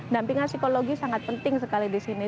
dampingan psikologi sangat penting sekali di sini